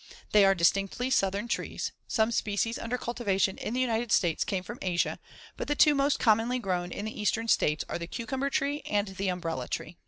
They are distinctly southern trees; some species under cultivation in the United States come from Asia, but the two most commonly grown in the Eastern States are the cucumber tree and the umbrella tree.